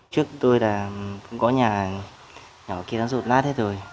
trước tôi là cũng có nhà nhà ở kia nó rộn lát hết rồi